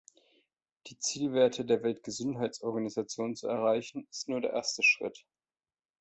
Die Zielwerte der Weltgesundheitsorganisation zu erreichen, ist nur der erste Schritt.